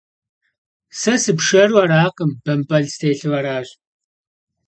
Сэ сыпшэру аракъым, бампӏэл стелъу аращ.